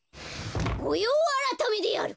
ごようあらためである！